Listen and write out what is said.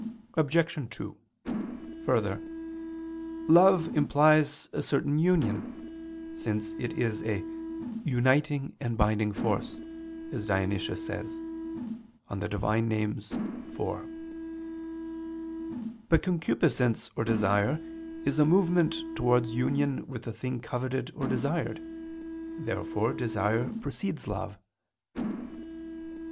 Obj. 2: Further, love implies a certain union; since it is a "uniting and binding force," as Dionysius says (Div. Nom. iv). But concupiscence or desire is a movement towards union with the thing coveted or desired. Therefore desire precedes love.